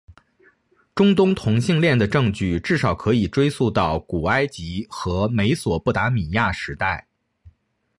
中东同性恋的证据至少可以追溯到古埃及和美索不达米亚时代。